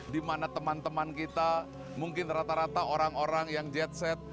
dimana teman teman kita mungkin rata rata orang orang yang jetset